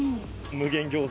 無限餃子？